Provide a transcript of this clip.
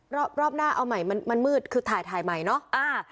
รอบรอบหน้าเอาใหม่มันมืดคือถ่ายถ่ายใหม่เนาะ